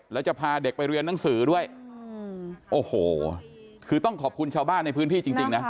แล้วจะพาเด็กไปเรียนหนังสือด้วยโอ้โหคือต้องขอบคุณชาวบ้านในพื้นที่จริงนะ